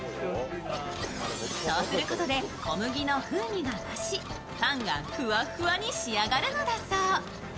そうすることで小麦の風味が増しパンがふわふわに仕上がるのだそう。